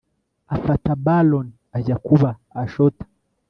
afata ballon ajya kuba ashota